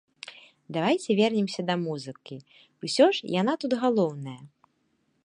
Давайце вернемся да музыкі, ўсё ж яна тут галоўная.